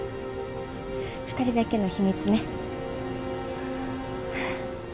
二人だけの秘密ね。